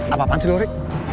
apa apaan sih lu ri